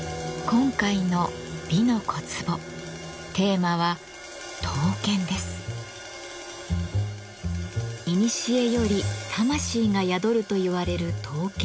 今回の「美の小壺」テーマはいにしえより魂が宿るといわれる刀剣。